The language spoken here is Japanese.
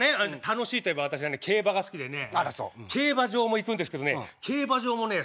楽しいといえば私競馬が好きでね競馬場も行くんですけどね競馬場もね